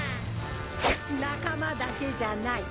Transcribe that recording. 仲間だけじゃない。